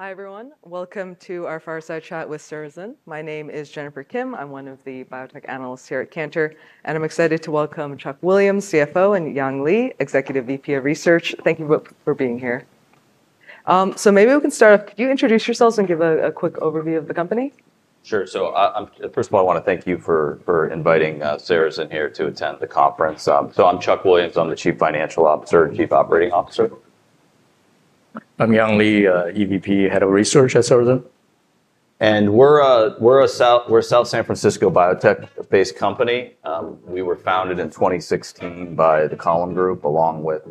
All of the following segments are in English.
Hi, everyone. Welcome to our Fireside Chat with Surrozen. My name is Jennifer Kim. I'm one of the biotech analysts here at Cantor, and I'm excited to welcome. And we should mention their Phase III study is DME only at this stage, at least and Yang Li, EVP of Research. Thank you both for being here. So maybe we can start off. Could you introduce yourselves and give a quick overview of the company? Sure. So first of all, I want to thank you for inviting Surrozen here to attend the conference. So I'm Charles Williams. I'm the CFO and COO. I'm Yang Li, EVP, Head of Research at Surrozen. We're a South San Francisco biotech-based company. We were founded in 2016 by The Column Group, along with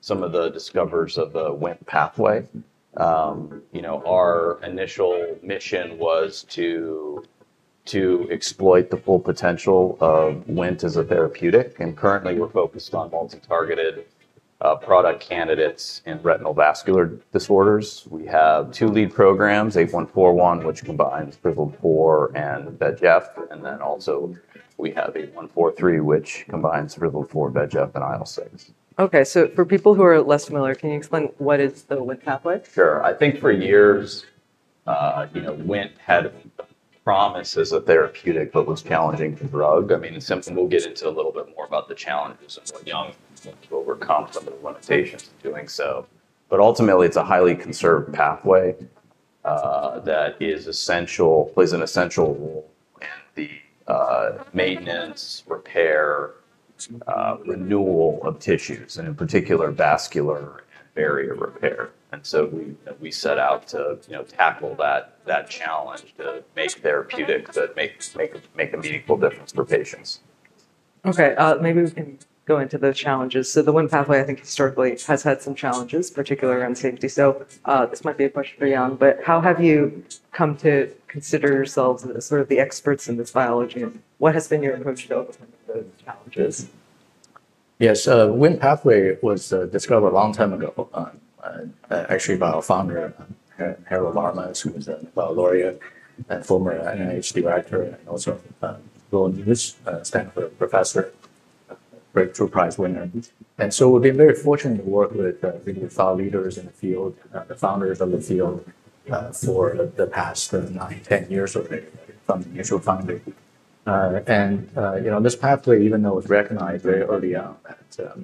some of the discoverers of the Wnt pathway. Our initial mission was to exploit the full potential of Wnt as a therapeutic. Currently, we're focused on multitargeted product candidates in retinal vascular disorders. We have two lead programs, 8141, which combines Frizzled-4 and VEGF, and then also we have 8143, which combines Frizzled-4, VEGF, and IL-6. OK, so for people who are less familiar, can you explain what is the Wnt pathway? Sure. I think for years, Wnt had promised as a therapeutic, but was challenging to drug. I mean, we'll get into a little bit more about the challenges and what Yang Li overcome some of the limitations of doing so, but ultimately, it's a highly conserved pathway that plays an essential role in the maintenance, repair, renewal of tissues, and in particular, vascular and barrier repair, and so we set out to tackle that challenge to make therapeutic, but make a meaningful difference for patients. OK, maybe we can go into the challenges. So the Wnt pathway, I think historically has had some challenges, particularly around safety. So this might be a question for Yang, but how have you come to consider yourselves as sort of the experts in this biology? And what has been your approach to overcoming those challenges? Yes, the Wnt pathway was discovered a long time ago, actually by our founder, Harold Varmus, who was a biologist and former NIH director, and also a Stanford professor, Breakthrough Prize winner. So we've been very fortunate to work with leaders in the field, the founders of the field, for the past nine, 10 years from the initial founding. This pathway, even though it was recognized very early on that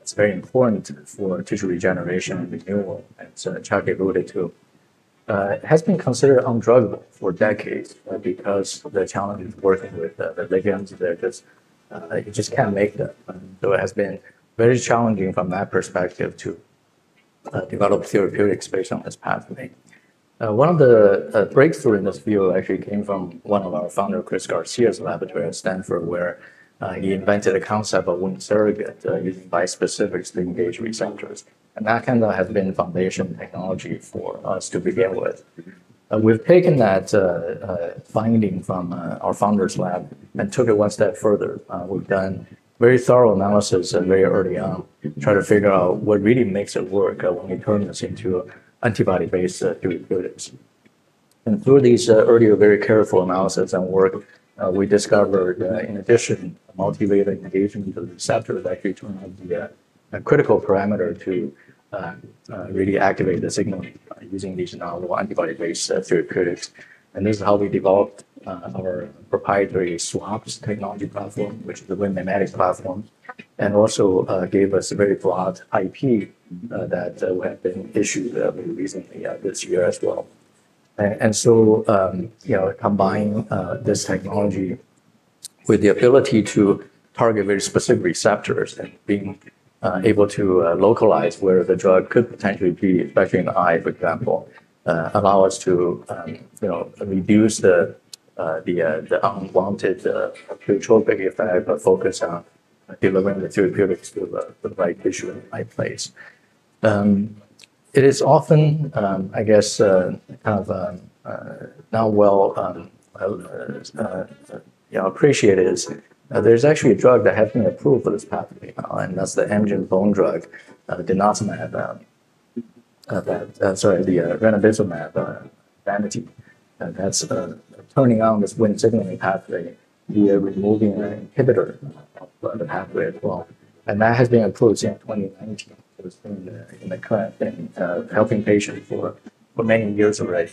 it's very important for tissue regeneration and renewal, as Charles alluded to, has been considered undruggable for decades because the challenges working with the ligands, they're just you just can't make them. So it has been very challenging from that perspective to develop therapeutics based on this pathway. One of the breakthroughs in this field actually came from one of our founders, Chris Garcia's laboratory at Stanford, where he invented a concept of Wnt surrogate using bispecifics to engage receptors, and that kind of has been the foundation technology for us to begin with. We've taken that finding from our founder's lab and took it one step further. We've done very thorough analysis very early on, trying to figure out what really makes it work when we turn this into antibody-based therapeutics, and through these earlier, very careful analyses and work, we discovered, in addition, a multi-layered engagement of the receptor that actually turned out to be a critical parameter to really activate the signal using these novel antibody-based therapeutics. And this is how we developed our proprietary SWAP technology platform, which is the Wnt mimetic platform, and also gave us a very broad IP that we have been issued recently this year as well. And so combining this technology with the ability to target very specific receptors and being able to localize where the drug could potentially be, especially in the eye, for example, allow us to reduce the unwanted atrophic effect, but focus on delivering the therapeutics to the right tissue in the right place. It is often, I guess, kind of not well appreciated. There's actually a drug that has been approved for this pathway, and that's the Amgen bone drug, denosumab, sorry, Evenity. That's turning on this Wnt signaling pathway via removing an inhibitor of the pathway as well. And that has been approved since 2019. It's been in the current thing, helping patients for many years already.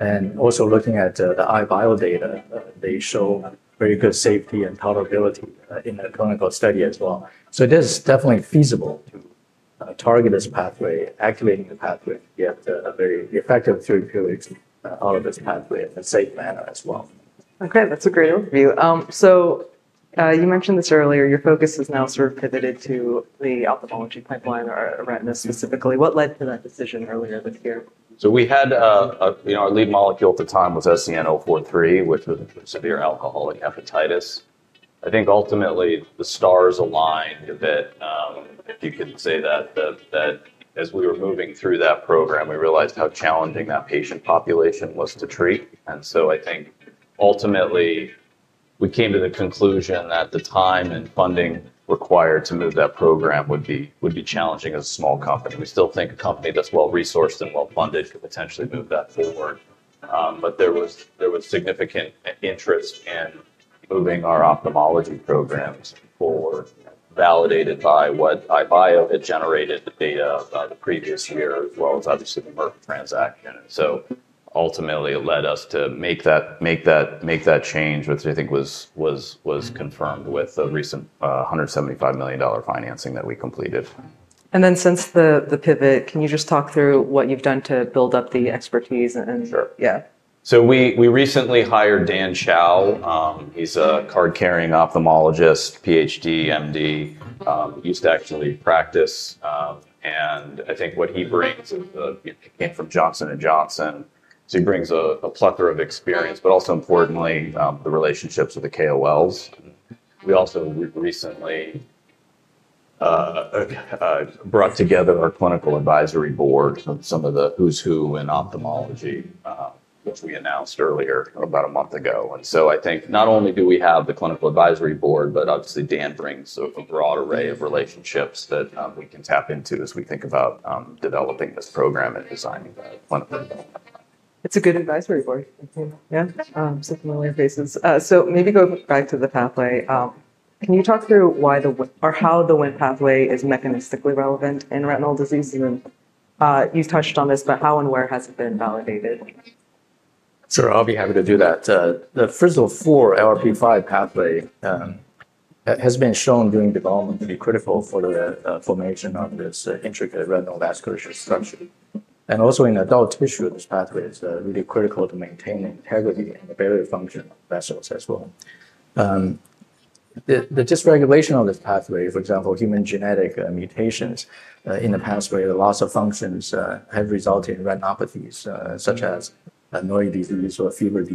And also looking at the EyeBio data, they show very good safety and tolerability in a clinical study as well. So it is definitely feasible to target this pathway, activating the pathway to get very effective therapeutics out of this pathway in a safe manner as well. OK, that's a great overview. So you mentioned this earlier. Your focus is now sort of pivoted to the ophthalmology pipeline or retina specifically. What led to that decision earlier this year? So we had our lead molecule at the time was SZN-043, which was severe alcoholic hepatitis. I think ultimately the stars aligned a bit, if you could say that, that as we were moving through that program, we realized how challenging that patient population was to treat. And so I think ultimately we came to the conclusion that the time and funding required to move that program would be challenging as a small company. We still think a company that's well-resourced and well-funded could potentially move that forward. But there was significant interest in moving our ophthalmology programs forward, validated by what EyeBio had generated the data the previous year, as well as obviously the Merck transaction. And so ultimately it led us to make that change, which I think was confirmed with the recent $175 million financing that we completed. Since the pivot, can you just talk through what you've done to build up the expertise? Sure. Yeah. So we recently hired Dan Chao. He's a card-carrying ophthalmologist, PhD, MD. He used to actually practice. And I think what he brings is he came from Johnson & Johnson. So he brings a plethora of experience, but also importantly, the relationships with the KOLs. We also recently brought together our clinical advisory board and some of the who's who in ophthalmology, which we announced earlier about a month ago. And so I think not only do we have the clinical advisory board, but obviously Dan brings a broad array of relationships that we can tap into as we think about developing this program and designing the clinical. It's a good advisory board. Yeah, so familiar faces. So maybe go back to the pathway. Can you talk through why the or how the Wnt pathway is mechanistically relevant in retinal disease? And you've touched on this, but how and where has it been validated? Sure, I'll be happy to do that. The Frizzled-4, LRP5 pathway has been shown during development to be critical for the formation of this intricate retinal vascular structure, and also in adult tissue, this pathway is really critical to maintain the integrity and the barrier function of vessels as well. The dysregulation of this pathway, for example, human genetic mutations in the pathway, the loss of functions have resulted in retinopathies such as Norrie disease or FEVR.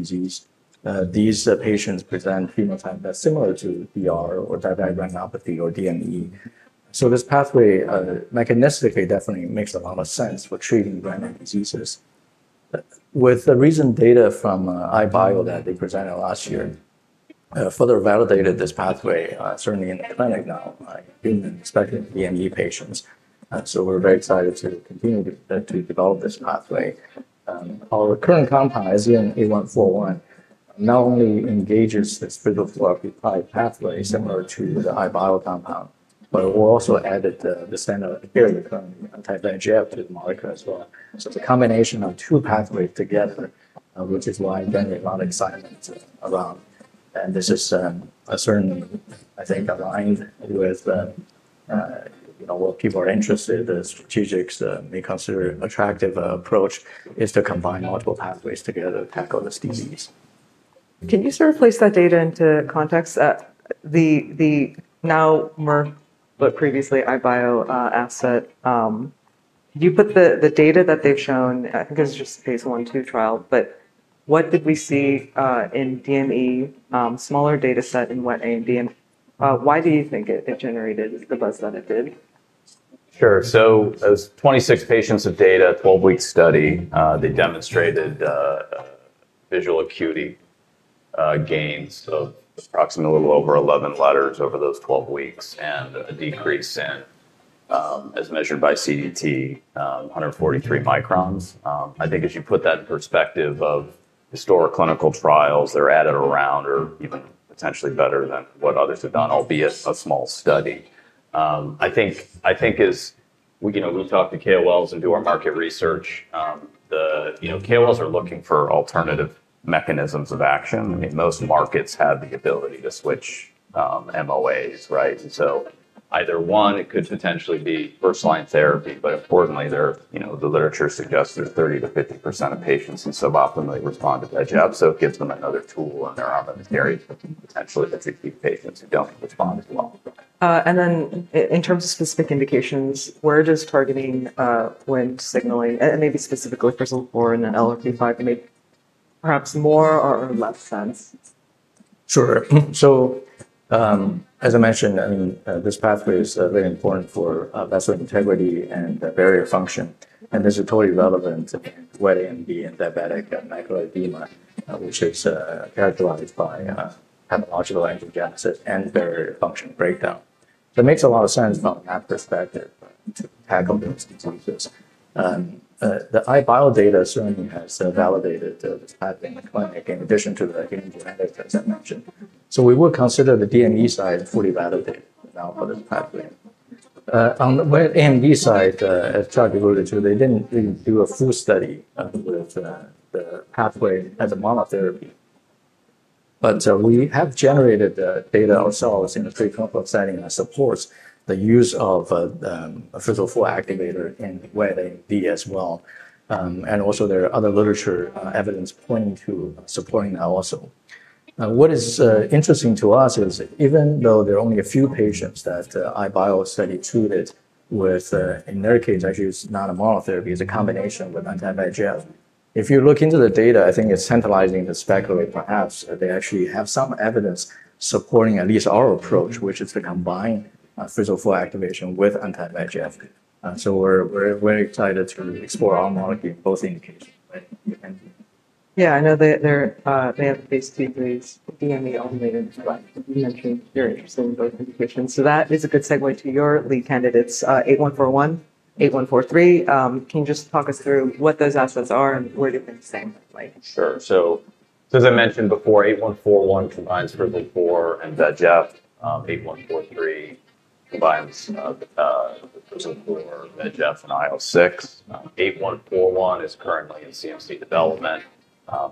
These patients present phenotypes that are similar to DR or diabetic retinopathy or DME. This pathway mechanistically definitely makes a lot of sense for treating retinal diseases. With the recent data from EyeBio that they presented last year, further validated this pathway, certainly in the clinic now, human, especially DME patients. We're very excited to continue to develop this pathway. Our current compound, SZN-8141, not only engages this Frizzled-4, LRP5 pathway similar to the EyeBio compound, but we'll also add the standard-of-care anti-VEGF to the molecule as well. So it's a combination of two pathways together, which is why there's a lot of excitement around. And this is certainly, I think, aligned with what people are interested in, the strategics they consider attractive approach is to combine multiple pathways together to tackle this disease. Can you sort of place that data into context? The now Merck, but previously EyeBio asset, you put the data that they've shown, I think it was just Phase I, II trial, but what did we see in DME, smaller data set in wet AMD? And why do you think it generated the buzz that it did? Sure. So it was 26 patients of data, 12-week study. They demonstrated visual acuity gains of approximately a little over 11 letters over those 12 weeks and a decrease in, as measured by CST, 143 microns. I think as you put that in perspective of historic clinical trials, they're at or around or even potentially better than what others have done, albeit a small study. I think as we talk to KOLs and do our market research, the KOLs are looking for alternative mechanisms of action. I mean, most markets have the ability to switch MOAs, right? And so either one, it could potentially be first-line therapy, but importantly, the literature suggests there's 30%-50% of patients who suboptimally respond to VEGF. So it gives them another tool in their armamentarium to potentially educate patients who don't respond as well. And then in terms of specific indications, where does targeting Wnt signaling, and maybe specifically Frizzled-4 and LRP5, make perhaps more or less sense? Sure. So as I mentioned, this pathway is very important for vascular integrity and barrier function. And this is totally relevant in wet AMD and diabetic macular edema, which is characterized by pathological angiogenesis and barrier function breakdown. So it makes a lot of sense from that perspective to tackle those diseases. The EyeBio data certainly has validated this pathway in the clinic in addition to the human genetics, as I mentioned. So we would consider the DME side fully validated now for this pathway. On the wet AMD side, as Charles alluded to, they didn't really do a full study with the pathway as a monotherapy. But we have generated data ourselves in a preclinical setting that supports the use of Frizzled-4 activator in wet AMD as well. And also there are other literature evidence pointing to supporting that also. What is interesting to us is even though there are only a few patients that EyeBio study treated with, in their case, actually it's not a monotherapy, it's a combination with anti-VEGF. If you look into the data, I think it's tantalizing to speculate perhaps that they actually have some evidence supporting at least our approach, which is to combine Frizzled-4 activation with anti-VEGF. So we're very excited to explore our molecule in both indications. Yeah, I know they have Phase II, Phase DME only, but you mentioned you're interested in both indications, so that is a good segue to your lead candidates, SZN-8141, SZN-8143. Can you just talk us through what those assets are and where do things stand currently? Sure. So as I mentioned before, 8141 combines Frizzled-4 and VEGF. 8143 combines Frizzled-4, VEGF, and IL-6. 8141 is currently in CMC development.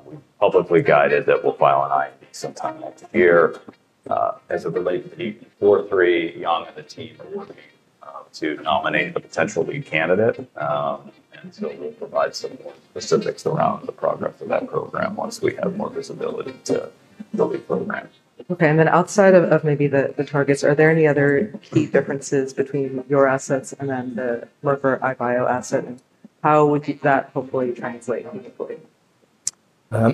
We've publicly guided that we'll file an IND sometime next year. As it relates to 8143, Yang and the team are working to nominate a potential lead candidate. And so we'll provide some more specifics around the progress of that program once we have more visibility to the lead program. OK, and then outside of maybe the targets, are there any other key differences between your assets and then the Merck or EyeBio asset? And how would that hopefully translate meaningfully?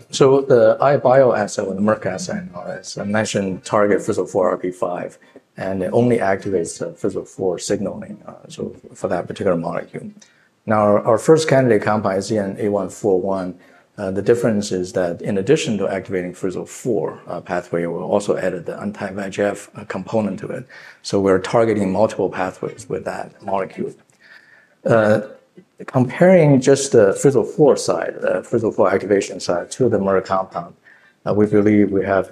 So the EyeBio asset and the Merck asset, as I mentioned, target Frizzled-4, LRP5, and it only activates the Frizzled-4 signaling for that particular molecule. Now, our first candidate compound is SZN-8141. The difference is that in addition to activating Frizzled-4 pathway, we'll also add the anti-VEGF component to it. So we're targeting multiple pathways with that molecule. Comparing just the Frizzled-4 side, the Frizzled-4 activation side to the Merck compound, we believe we have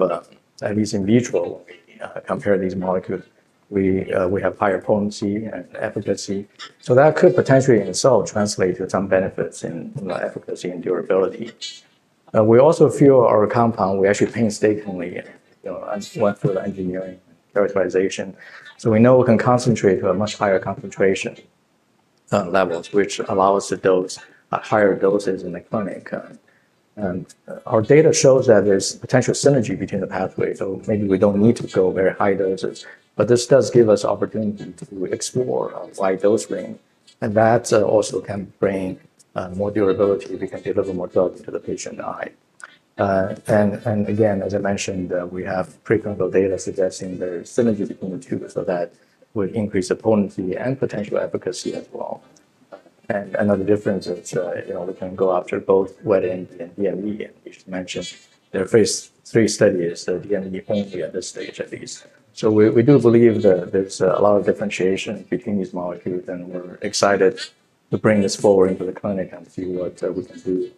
at least in vitro, when we compare these molecules, we have higher potency and efficacy. So that could potentially in itself translate to some benefits in efficacy and durability. We also feel our compound, we actually painstakingly went through the engineering characterization. So we know we can concentrate to a much higher concentration levels, which allows us to dose at higher doses in the clinic. Our data shows that there's potential synergy between the pathways. So maybe we don't need to go very high doses, but this does give us opportunity to explore wide dose range. And that also can bring more durability if we can deliver more drug into the patient eye. And again, as I mentioned, we have pre-clinical data suggesting there is synergy between the two so that would increase the potency and potential efficacy as well. And another difference is we can go after both Wnt and DME. And we should mention their Phase III study is DME only at this stage, at least. So we do believe that there's a lot of differentiation between these molecules. And we're excited to bring this forward into the clinic and see what we can do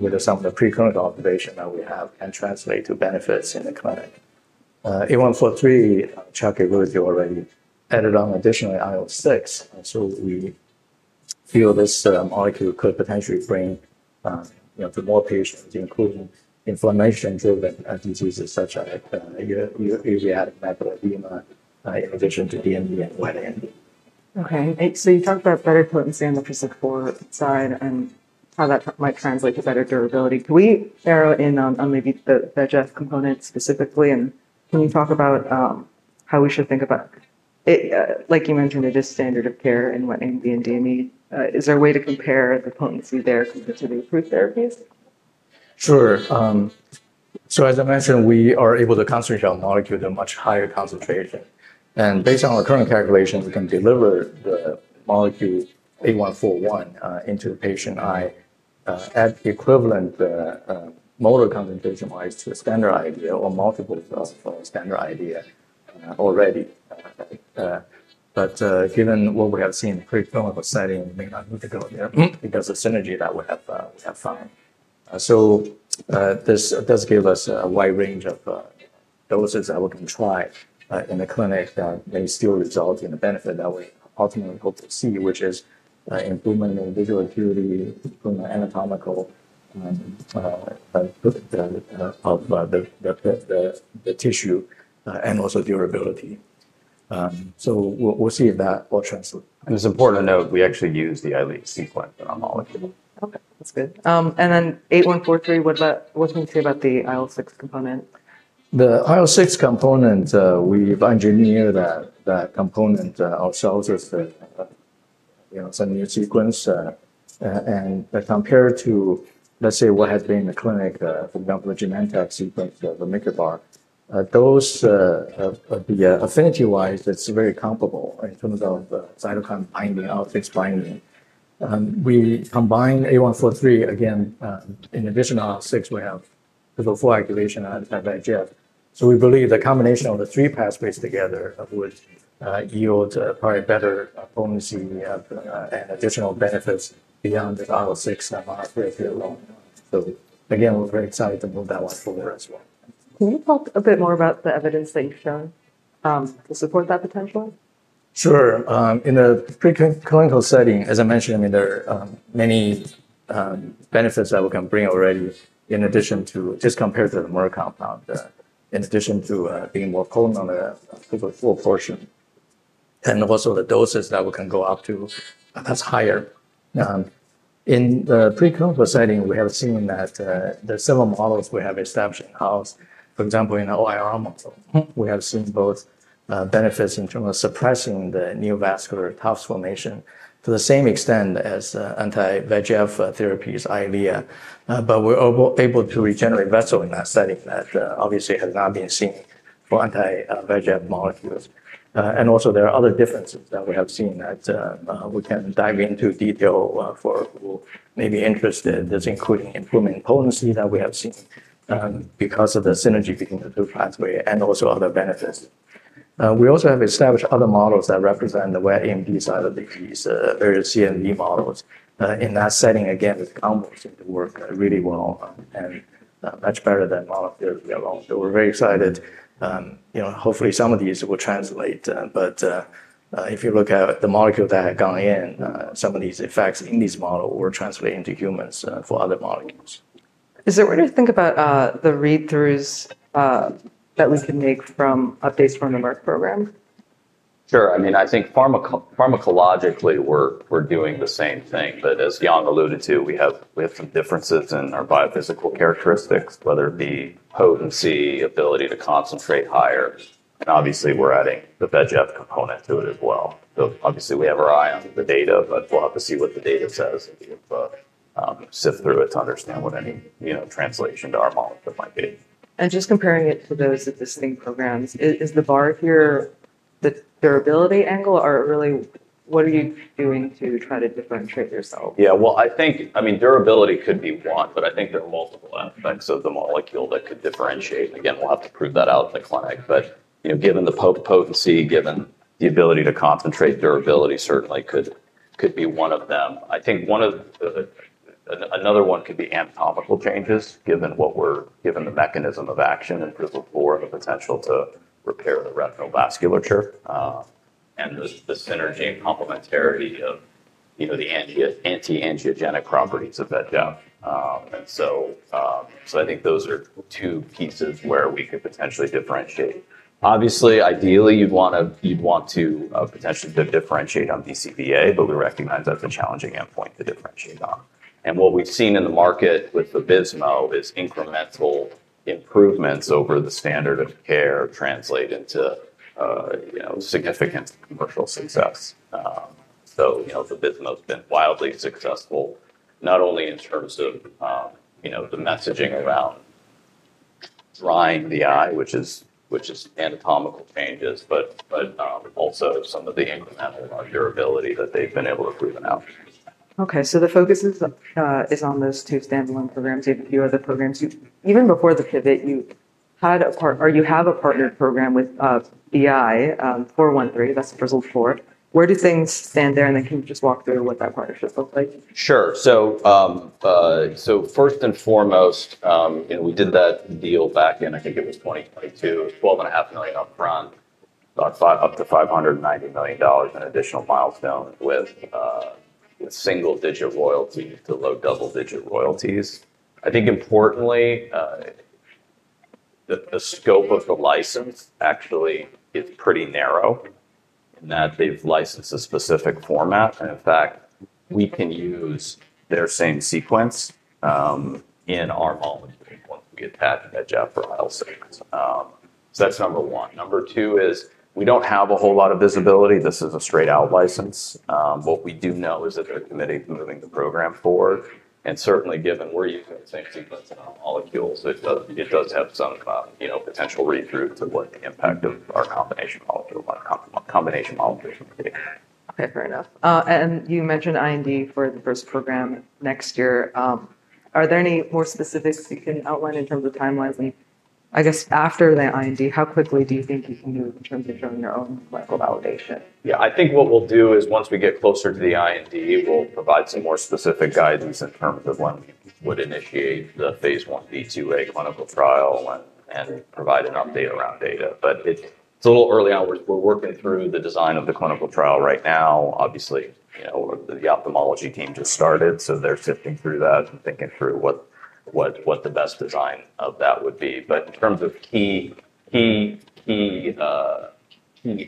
with some of the pre-clinical observation that we have can translate to benefits in the clinic. SZN-8143, Charles alluded to already, added on additionally IL-6. So we feel this molecule could potentially bring to more patients, including inflammation-driven diseases such as uveitic macular edema in addition to DME and wet AMD. OK, so you talked about better potency on the Frizzled-4 side and how that might translate to better durability. Can we narrow in on maybe the VEGF component specifically? And can you talk about how we should think about, like you mentioned, it is standard of care in wet AMD and DME? Is there a way to compare the potency there compared to the approved therapies? Sure. So as I mentioned, we are able to concentrate our molecule to a much higher concentration. And based on our current calculations, we can deliver the molecule SZN-8141 into the patient's eye at equivalent molar concentration-wise to a standard Eylea or multiples of a standard Eylea already. But given what we have seen in the pre-clinical setting, we may not need to go there because of the synergy that we have found. So this does give us a wide range of doses that we can try in the clinic that may still result in the benefit that we ultimately hope to see, which is improvement in visual acuity, improvement anatomical of the tissue, and also durability. So we'll see if that will translate. It's important to note we actually use the Eylea sequence in our molecule. OK, that's good, and then 8143, what can you say about the IL-6 component? The IL-6 component, we've engineered that component ourselves as a new sequence, and compared to, let's say, what has been in the clinic, for example, the Genentech sequence, the marketed, affinity-wise, it's very comparable in terms of cytokine binding, IL-6 binding. We combine 8143. Again, in addition to IL-6, we have Frizzled-4 activation and anti-VEGF, so we believe the combination of the three pathways together would yield probably better potency and additional benefits beyond the IL-6 monotherapy alone, so again, we're very excited to move that one forward as well. Can you talk a bit more about the evidence that you've shown to support that potential? Sure. In the pre-clinical setting, as I mentioned, I mean, there are many benefits that we can bring already in addition to just compared to the Merck compound, in addition to being more potent on the Frizzled-4 portion, and also the doses that we can go up to, that's higher. In the pre-clinical setting, we have seen that there are several models we have established in-house. For example, in the OIR model, we have seen both benefits in terms of suppressing the neovascular tuft formation to the same extent as anti-VEGF therapies, IVT, but we're able to regenerate vessel in that setting that obviously has not been seen for anti-VEGF molecules, and also there are other differences that we have seen that we can dive into detail for. People may be interested in this including improvement in potency that we have seen because of the synergy between the two pathways and also other benefits. We also have established other models that represent the wet AMD side of the disease, various DME models. In that setting, again, with combination, it worked really well and much better than monotherapy alone. So we're very excited. Hopefully, some of these will translate. But if you look at the molecule that had gone in, some of these effects in these models will translate into humans for other molecules. Is there a way to think about the read-throughs that we can make from updates from the Merck program? Sure. I mean, I think pharmacologically we're doing the same thing. But as Yang alluded to, we have some differences in our biophysical characteristics, whether it be potency, ability to concentrate higher. And obviously, we're adding the VEGF component to it as well. So obviously, we have our eye on the data, but we'll have to see what the data says and sift through it to understand what any translation to our molecule might be. Just comparing it to those existing programs, is the bar here the durability angle? Or really, what are you doing to try to differentiate yourself? Yeah, well, I think, I mean, durability could be one, but I think there are multiple aspects of the molecule that could differentiate. Again, we'll have to prove that out in the clinic. But given the potency, given the ability to concentrate, durability certainly could be one of them. I think another one could be anatomical changes, given the mechanism of action in Frizzled-4 and the potential to repair the retinal vasculature and the synergy and complementarity of the anti-angiogenic properties of VEGF. And so I think those are two pieces where we could potentially differentiate. Obviously, ideally, you'd want to potentially differentiate on BCVA, but we recognize that's a challenging endpoint to differentiate on. And what we've seen in the market with the Vabysmo is incremental improvements over the standard of care translate into significant commercial success. The Vabysmo has been wildly successful, not only in terms of the messaging around drying the eye, which is anatomical changes, but also some of the incremental durability that they've been able to prove in-house. OK, so the focus is on those two standalone programs. You have a few other programs. Even before the pivot, you had a partner or you have a partnered program with SZN-413. That's Frizzled-4. Where do things stand there? And then can you just walk through what that partnership looks like? Sure. So first and foremost, we did that deal back in, I think it was 2022, $12.5 million upfront, up to $590 million in additional milestones with single-digit royalties to low double-digit royalties. I think importantly, the scope of the license actually is pretty narrow in that they've licensed a specific format. And in fact, we can use their same sequence in our molecule once we attach VEGF for IL-6. So that's number one. Number two is we don't have a whole lot of visibility. This is a straight-out license. What we do know is that they're committed to moving the program forward. And certainly, given we're using the same sequence in our molecules, it does have some potential read-through to what the impact of our combination molecules might be. OK, fair enough. And you mentioned IND for the first program next year. Are there any more specifics you can outline in terms of timelines? And I guess after the IND, how quickly do you think you can move in terms of showing your own clinical validation? Yeah, I think what we'll do is once we get closer to the IND, we'll provide some more specific guidance in terms of when we would initiate the Phase I, Phase II, Phase IIa clinical trial and provide an update around data. But it's a little early yet. We're working through the design of the clinical trial right now. Obviously, the ophthalmology team just started. So they're sifting through that and thinking through what the best design of that would be. But in terms of key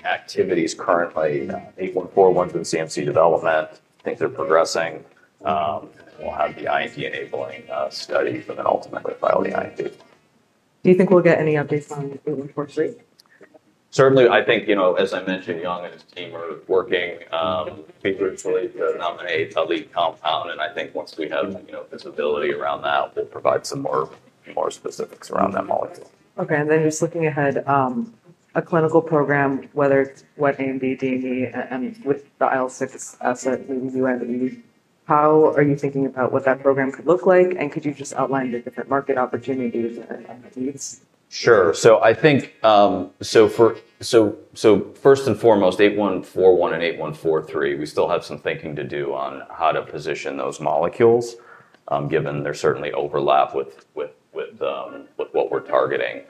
activities currently, SZN-8141 is in CMC development. I think they're progressing. We'll have the IND enabling study for them ultimately to file the IND. Do you think we'll get any updates on 8143? Certainly, I think, as I mentioned, Yang and his team are working pretty closely to nominate a lead compound, and I think once we have visibility around that, we'll provide some more specifics around that molecule. OK, and then just looking ahead, a clinical program, whether it's wet AMD, DME, and with the IL-6 asset, maybe UME, how are you thinking about what that program could look like? And could you just outline the different market opportunities and needs? Sure. So I think so first and foremost, SZN-8141 and SZN-8143, we still have some thinking to do on how to position those molecules, given there's certainly overlap with what we're targeting.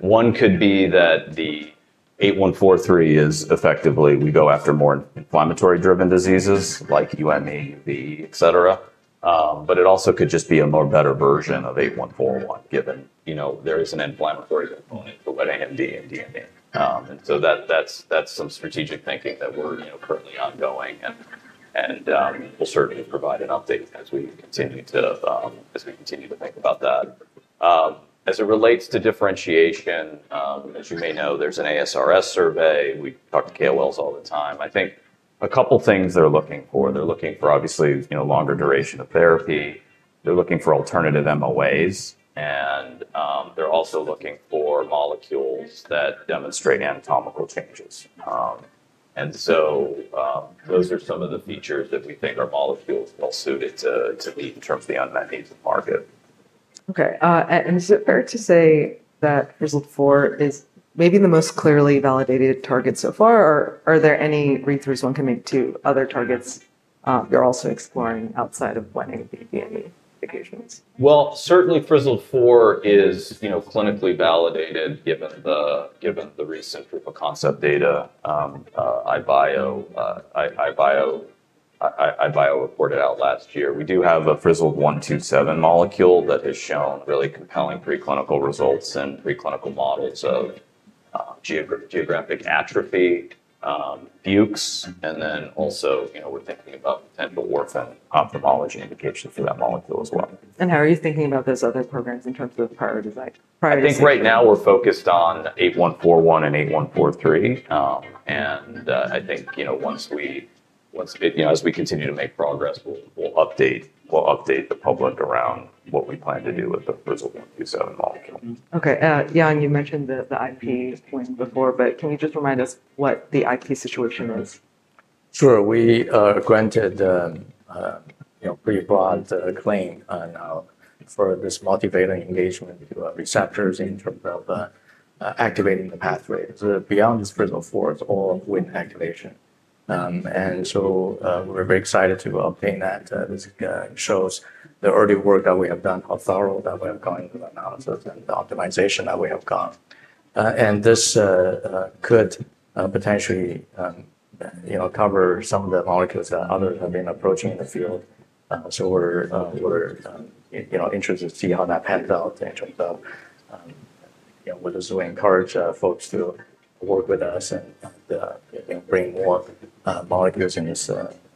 One could be that the SZN-8143 is effectively we go after more inflammatory-driven diseases like UME, uveitis, et cetera. But it also could just be a more better version of SZN-8141, given there is an inflammatory component to wet AMD and DME. And so that's some strategic thinking that we're currently ongoing. And we'll certainly provide an update as we continue to think about that. As it relates to differentiation, as you may know, there's an ASRS survey. We talk to KOLs all the time. I think a couple of things they're looking for. They're looking for, obviously, longer duration of therapy. They're looking for alternative MOAs. And they're also looking for molecules that demonstrate anatomical changes. And so those are some of the features that we think our molecules are well-suited to meet in terms of the unmet needs of the market. OK, and is it fair to say that Frizzled-4 is maybe the most clearly validated target so far? Or are there any read-throughs one can make to other targets you're also exploring outside of wet AMD and DME indications? Certainly, Frizzled-4 is clinically validated, given the recent proof-of-concept data. EyeBio reported out last year. We do have a SZN-127 molecule that has shown really compelling preclinical results and preclinical models of geographic atrophy, Fuchs. And then also we're thinking about potential orphan ophthalmology indications for that molecule as well. How are you thinking about those other programs in terms of prioritization? I think right now we're focused on 8141 and 8143, and I think once we continue to make progress, we'll update the public around what we plan to do with the SZN-127 molecule. OK, Yang, you mentioned the IP point before, but can you just remind us what the IP situation is? Sure. We granted a pretty broad claim for this multivalent engagement receptors in terms of activating the pathway. Beyond this Frizzled-4, it's all Wnt activation. And so we're very excited to obtain that. This shows the early work that we have done, how thorough that we have gone into the analysis and the optimization that we have gone. And this could potentially cover some of the molecules that others have been approaching in the field. So we're interested to see how that pans out in terms of whether we encourage folks to work with us and bring more molecules in this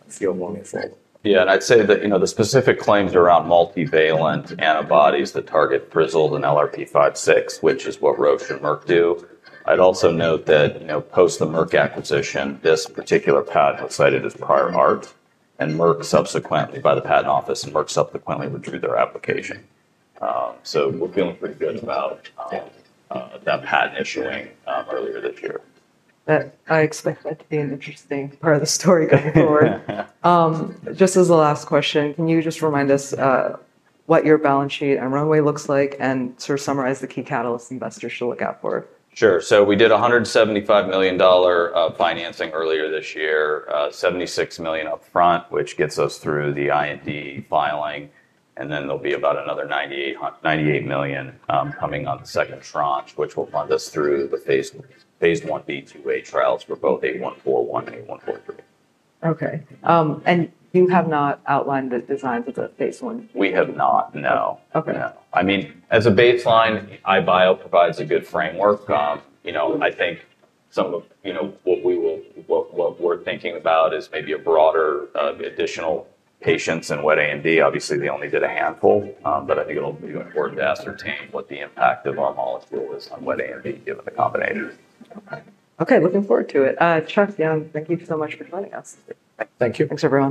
field moving forward. Yeah, and I'd say that the specific claims around multivalent antibodies that target Frizzled and LRP5/6, which is what Roche and Merck do. I'd also note that post the Merck acquisition, this particular patent was cited as prior art. And Merck subsequently, by the patent office, withdrew their application. So we're feeling pretty good about that patent issuing earlier this year. I expect that to be an interesting part of the story going forward. Just as a last question, can you just remind us what your balance sheet and runway looks like and sort of summarize the key catalysts investors should look out for? Sure. So we did $175 million financing earlier this year, $76 million upfront, which gets us through the IND filing. And then there'll be about another $98 million coming on the second tranche, which will fund us through the Phase I, Phase IIa trials for both 8141 and 8143. OK, and you have not outlined the design for the Phase I? We have not, no. I mean, as a baseline, EyeBio provides a good framework. I think some of what we're thinking about is maybe a broader additional patients in wet AMD. Obviously, they only did a handful. But I think it'll be important to ascertain what the impact of our molecule is on wet AMD, given the combination. OK, looking forward to it. Charles, Yang, thank you so much for joining us. Thank you. Thanks everyone.